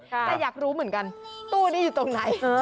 แต่อยากรู้เหมือนกันตู้นี้อยู่ตรงไหน